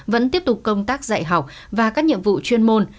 vẫn tiếp tục công tác dạy học và các nhiệm vụ chuyên môn